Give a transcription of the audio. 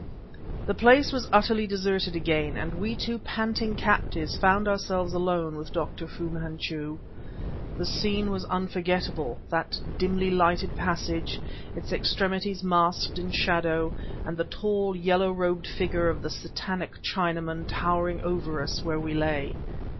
The place was utterly deserted again, and we two panting captives found ourselves alone with Dr. Fu Manchu. The scene was unforgettable; that dimly lighted passage, its extremities masked in shadow, and the tall, yellow robed figure of the Satanic Chinaman towering over us where we lay.